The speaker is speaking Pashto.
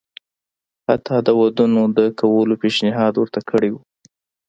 حتی د ودونو د کولو پېشنهاد ورته کړی وو.